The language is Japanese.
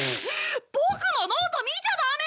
ボクのノート見ちゃダメ！